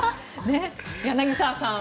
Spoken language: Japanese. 柳澤さん。